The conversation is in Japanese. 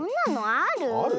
ある？